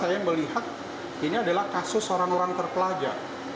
saya melihat ini adalah kasus orang orang terpelajar